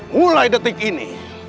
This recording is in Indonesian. mulai detik ini